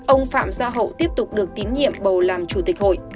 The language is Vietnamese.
ông phạm gia hậu tiếp tục được tín nhiệm bầu làm chủ tịch hội